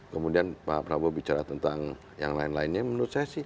kemudian pak prabowo bicara tentang yang lain lainnya menurut saya sih